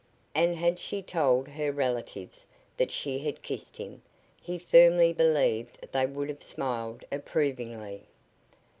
And had she told her relatives that she had kissed him, he firmly believed they would have smiled approvingly.